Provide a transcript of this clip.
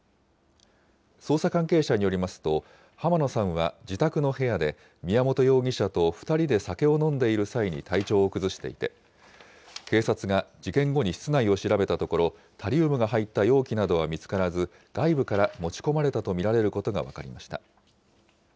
捜査関係者によりますと、濱野さんは自宅の部屋で宮本容疑者と２人で酒を飲んでいる際に体調を崩していて、警察が事件後に室内を調べたところ、タリウムが入った容器などは見つからず、外部から持ち込まれたと見られることが分かりました。